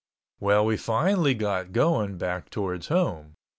Well, we finally got going back towards home.